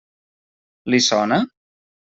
Li sona?